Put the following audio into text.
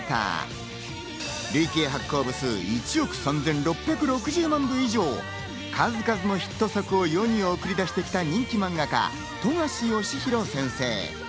累計発行部数１億３６６０万部以上、数々のヒット作を世に送り出してきた人気漫画家・冨樫義博先生。